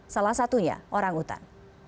salah satunya orang hutan